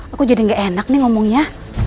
aku jadi gak enak nih ngomongnya